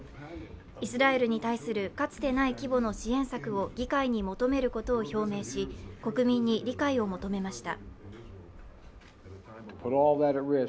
イスラエルに対するかつてない規模の支援策を議会に求めることを表明し国民に理解を求めました。